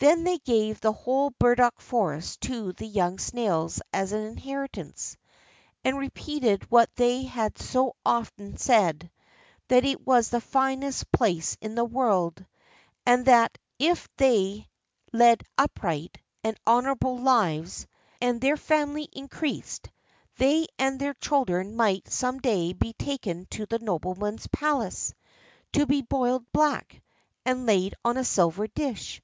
Then they gave the whole burdock forest to the young snails as an inheritance, and repeated what they had so often said, that it was the finest place in the world, and that if they led upright and honorable lives, and their family increased, they and their children might some day be taken to the nobleman's palace, to be boiled black, and laid on a silver dish.